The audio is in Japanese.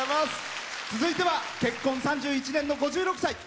続いては結婚３１年の５６歳。